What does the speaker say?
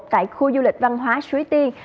tại khu du lịch văn hóa suối tiên